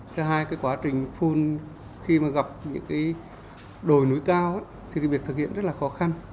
thứ hai cái quá trình phun khi mà gặp những cái đồi núi cao thì cái việc thực hiện rất là khó khăn